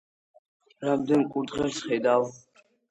რამდენ კურდღელს ხედავთ?